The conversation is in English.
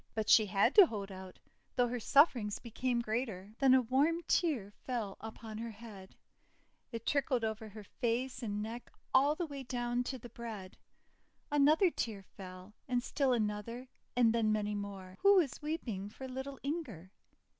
But she had to hold out, though her sufferings became greater. Then a warm tear fell upon her head; it trickled over her face and neck all the way down to the bread. Another tear followed, and still another, and then many more. Who was weep ing for little Inger?